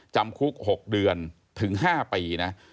จำคุก๖เดือนถึง๕ปีนะ